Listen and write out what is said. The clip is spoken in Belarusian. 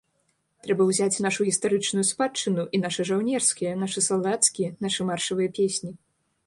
Трэба ўзяць нашу гістарычную спадчыну і нашы жаўнерскія, нашы салдацкія, нашы маршавыя песні.